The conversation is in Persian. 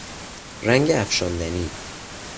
رنگ افشاندنی